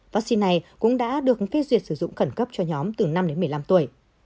vaccine này cũng đã được phê duyệt sử dụng khẩn cấp cho nhóm từ năm đến một mươi năm tuổi